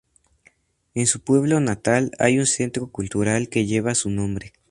En su pueblo natal hay un Centro Cultural que lleva su nombre.